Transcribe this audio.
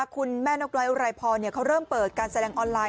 คุณแม่นกน้อยอุไรพรเขาเริ่มเปิดการแสดงออนไลน